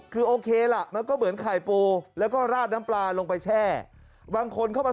คือโอเคล่ะมันก็เหมือนไข่ปูแล้วก็ราดน้ำปลาลงไปแช่บางคนเข้ามา